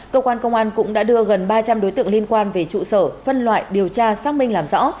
cơ quan công an cũng đã đưa gần ba trăm linh đối tượng liên quan về trụ sở phân loại điều tra xác minh làm rõ